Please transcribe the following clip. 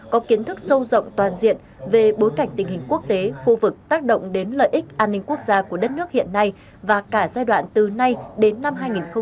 có kiến thức sâu rộng toàn diện về bối cảnh tình hình quốc tế khu vực tác động đến lợi ích an ninh quốc gia của đất nước hiện nay và cả giai đoạn từ nay đến năm hai nghìn hai mươi